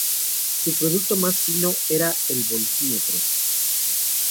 Su producto más fino era el voltímetro.